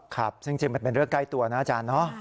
ครับซึ่งจริงมันเป็นเรื่องใกล้ตัวนะอาจารย์เนอะ